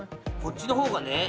こっちの方がね。